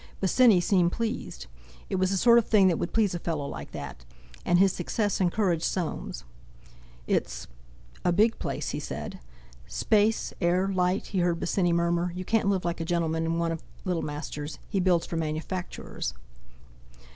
Bosinney seemed pleased. It was the sort of thing that would please a fellow like that! And his success encouraged Soames. "It's—a big place," he said. "Space, air, light," he heard Bosinney murmur, "you can't live like a gentleman in one of Littlemaster's—he builds for manufacturers."